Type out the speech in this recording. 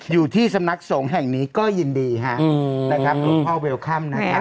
อยู่ที่สำนักสงฆ์แห่งนี้ก็ยินดีครับทุกพ่อเวลคัมนะครับ